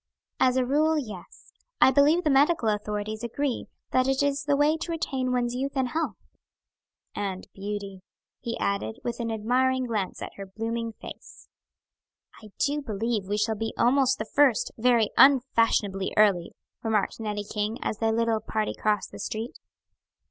"As a rule, yes. I believe the medical authorities agree that it is the way to retain one's youth and health." "And beauty," he added, with an admiring glance at her blooming face. "I do believe we shall be almost the first; very unfashionably early," remarked Nettie King, as their little party crossed the street.